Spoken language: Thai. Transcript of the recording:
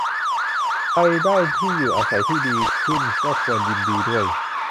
ใครได้ที่อยู่อาศัยที่ดีขึ้นก็ควรยินดีด้วย